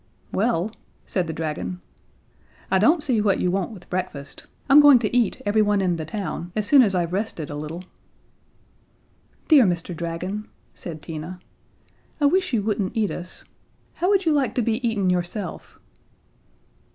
"Well," said the dragon, "I don't see what you want with breakfast. I'm going to eat everyone in the town as soon as I've rested a little." "Dear Mr. Dragon," said Tina, "I wish you wouldn't eat us. How would you like to be eaten yourself?"